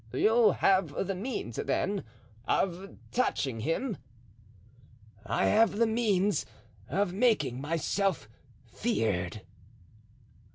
"You have the means, then, of touching him?" "I have the means of making myself feared."